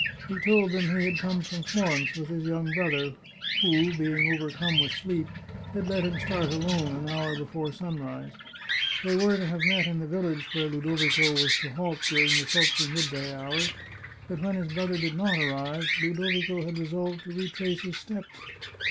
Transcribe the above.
He told them he had come from Florence with his young brother, who, being overcome with sleep, had let him start alone an hour before sunrise. They were to have met in the village where Ludovico was to halt during the sultry midday hours, but when his brother did not arrive, Ludovico had resolved to retrace his steps.